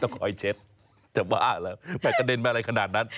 คอยเช็ดจะบ้าแล้วแม่กระเด็นมาอะไรขนาดนั้น